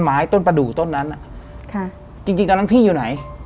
ถ้าพี่นึงจงสนองเอาอันนี้อยู่ไหน